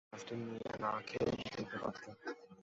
গ্লাসটা নিয়েও না খেয়ে রেখে দিতে পারতেন।